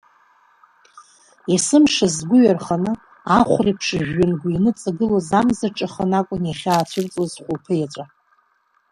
Есымша згәы ҩарханы, ахәреиԥш жәҩангәы иныҵагылоз амзаҿа аханы акәын иахьаацәырҵуаз хәылԥы еҵәа.